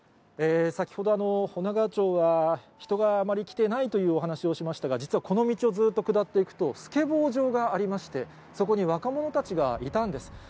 先ほど、女川町は、人があまり来てないというお話をしましたが、実はこの道をずっと下っていくと、スケボー場がありまして、そこに若者たちがいたんです。